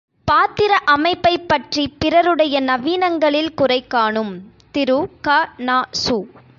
பாத்திர அமைப்பைப் பற்றிப் பிறருடைய நவீனங்களில் குறைகாணும் திரு க.நா.சு.